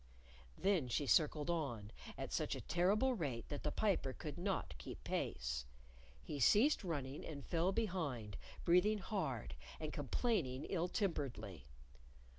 Then she circled on at such a terrible rate that the Piper could not keep pace. He ceased running and fell behind, breathing hard and complaining ill temperedly.